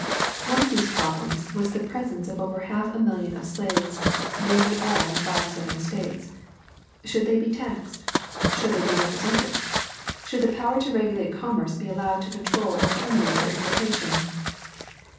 One of these problems was the presence of over half a million of slaves, nearly all in five Southern States. Should they be taxed? Should they be represented? Should the power to regulate commerce be allowed to control or terminate their importation?